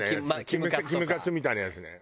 キムカツみたいなやつね。